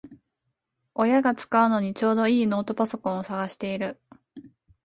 親が使うのにちょうどいいノートパソコンを探してる